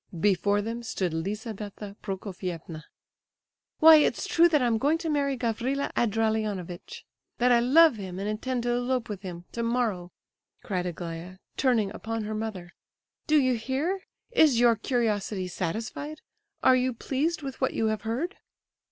Before them stood Lizabetha Prokofievna. "Why, it's true that I am going to marry Gavrila Ardalionovitch, that I love him and intend to elope with him tomorrow," cried Aglaya, turning upon her mother. "Do you hear? Is your curiosity satisfied? Are you pleased with what you have heard?"